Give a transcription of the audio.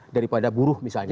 daripada buruh misalnya